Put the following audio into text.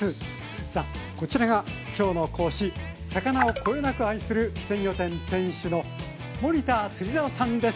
さあこちらが今日の講師魚をこよなく愛する鮮魚店店主のどうも！